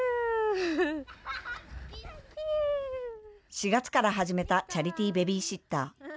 ４月から始めたチャリティーベビーシッター。